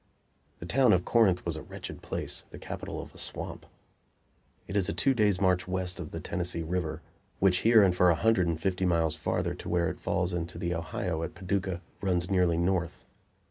The town of Corinth was a wretched place the capital of a swamp. It is a two days' march west of the Tennessee River, which here and for a hundred and fifty miles farther, to where it falls into the Ohio at Paducah, runs nearly north.